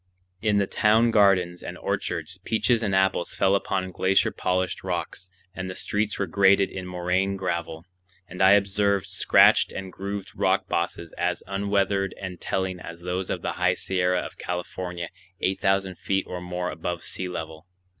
In the town gardens and orchards, peaches and apples fell upon glacier polished rocks, and the streets were graded in moraine gravel; and I observed scratched and grooved rock bosses as unweathered and telling as those of the High Sierra of California eight thousand feet or more above sea level.